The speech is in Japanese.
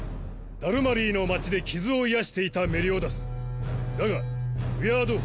ダルマリーの町で傷を癒やしていたメリオダスだが「不気味な牙」